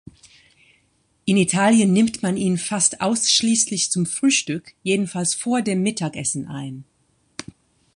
In Italien nimmt man ihn fast ausschließlich zum Frühstück, jedenfalls vor dem Mittagessen ein.